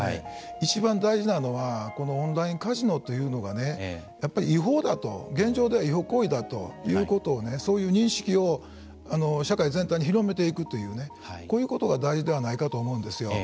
いちばん大事なのはこのオンラインカジノというのがねやっぱり違法だと現状では違法行為だということを、そういう認識を社会全体で広めていくというこういうことが大事ではないかと思うんですよ。